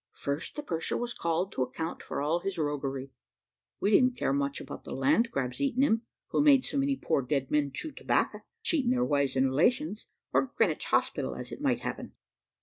First the purser was called to account for all his roguery. We didn't care much about the land crabs eating him, who made so many poor dead men chew tobacco, cheating their wives and relations, or Greenwich Hospital, as it might happen.